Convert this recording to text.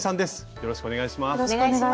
よろしくお願いします。